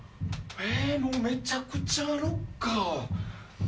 もう、めちゃくちゃロッカー。